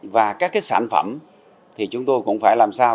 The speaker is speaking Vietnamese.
và các cái sản phẩm thì chúng tôi cũng phải làm sao